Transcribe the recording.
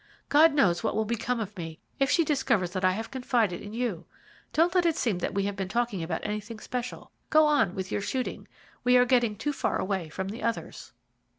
God knows what will become of me if she discovers that I have confided in you. Don't let it seem that we have been talking about anything special. Go on with your shooting. We are getting too far away from the others."